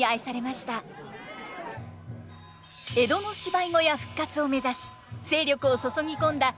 江戸の芝居小屋復活を目指し精力を注ぎ込んだ